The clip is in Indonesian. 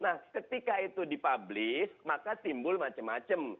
nah ketika itu di publish maka timbul macem macem